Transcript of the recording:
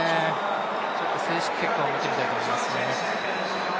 正式結果を見てみたいと思いますね。